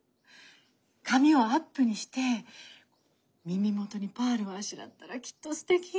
髪をアップにして耳元にパールをあしらったらきっとすてきよ。